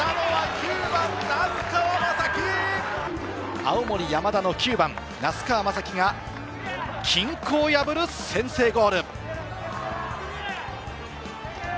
青森山田の９番・名須川真光が均衡を破る先制ゴール。